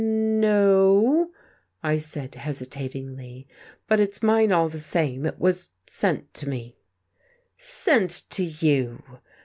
"N no," I said hesitatingly, "but it's mine all the same. It was sent to me." "Sent to you!"